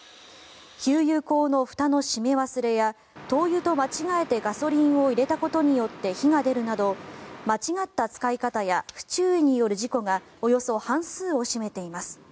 給油口のふたの締め忘れや灯油と間違えてガソリンを入れたことによって火が出るなど間違った使い方や不注意による事故がおよそ半数を占めています。